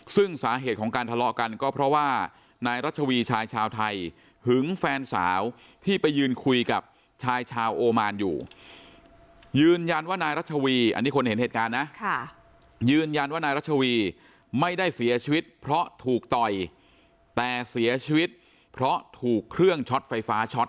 ซึ่งสาเหตุของการทะเลาะกันก็เพราะว่านายรัชวีชายชาวไทยหึงแฟนสาวที่ไปยืนคุยกับชายชาวโอมานอยู่ยืนยันว่านายรัชวีอันนี้คนเห็นเหตุการณ์นะยืนยันว่านายรัชวีไม่ได้เสียชีวิตเพราะถูกต่อยแต่เสียชีวิตเพราะถูกเครื่องช็อตไฟฟ้าช็อต